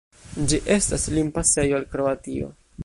Ĝi estas limpasejo al Kroatio.